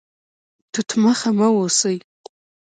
توت مخ مه اوسئ